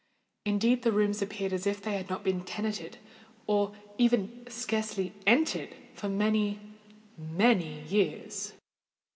Indeed, the rooms appeared as if they had not been tenanted, or even scarcely entered, for many—many years.